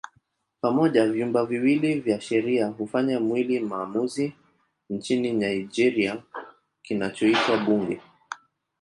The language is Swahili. Pamoja vyumba viwili vya sheria hufanya mwili maamuzi nchini Nigeria kinachoitwa Bunge.